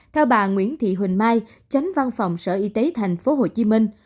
theo bà nguyễn thị huỳnh mai tránh văn phòng sở y tế thành phố hồ chí minh